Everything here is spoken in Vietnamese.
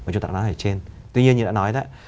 tuy nhiên như đã nói đó